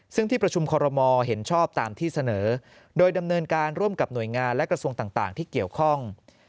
ซึ่งที่ประชุมคอรมอลเห็นชอบตามที่เสนอโดยดำเนินการร่วมกับหน่วยงานและกระทรวงต่างที่เกี่ยวข้อง